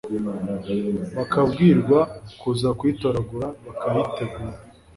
bakabwirwa kuza kuyitoragura bakayitegura